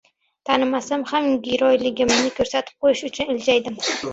Tanimasam ham «giroy»ligimni ko‘rsatib qo'yish uchun iljaydim: